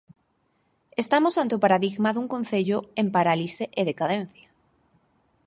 Estamos ante o paradigma dun concello en parálise e decadencia.